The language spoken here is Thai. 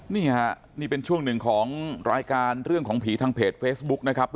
นี่ค่ะนี่เป็นช่วงหนึ่งของรายการเรื่องของผีทางเพจเฟซบุ๊กนะครับ